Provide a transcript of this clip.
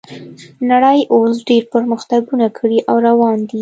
نړۍ اوس ډیر پرمختګونه کړي او روان دي